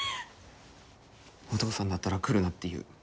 お義父さんだったら来るなって言う。